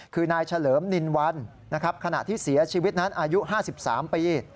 คือนายเฉลิมนินวันนะครับขณะที่เสียชีวิตนั้นอายุ๕๓ปี